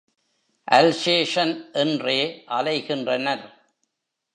Alsatian! என்றே அலைகின்றனர்.